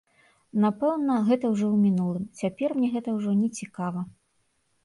Напэўна, гэта ўжо ў мінулым, цяпер мне гэта ўжо не цікава.